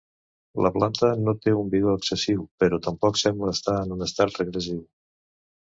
La planta no té un vigor excessiu, però tampoc sembla estar en un estat regressiu.